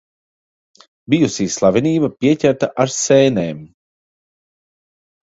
Bijusī slavenība pieķerta ar sēnēm.